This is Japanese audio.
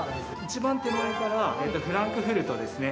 一番手前から、フランクフルトですね。